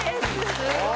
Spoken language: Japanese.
すごい。